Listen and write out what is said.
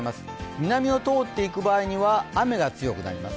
南を通っていく場合には雨が強くなります。